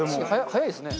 早いですね。